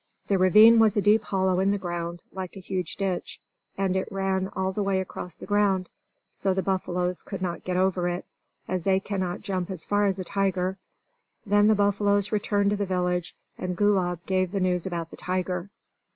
The ravine was a deep hollow in the ground, like a huge ditch; and it ran all the way across the ground; so the buffaloes could not get over it, as they cannot jump as far as a tiger. Then the buffaloes returned to the village, and Gulab gave the news about the tiger.